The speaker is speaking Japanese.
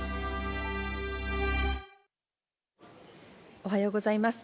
おはようございます。